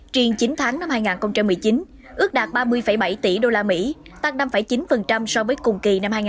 riêng chín tháng năm hai nghìn một mươi chín ước đạt ba mươi bảy tỷ usd tăng năm chín so với cùng kỳ năm hai nghìn một mươi tám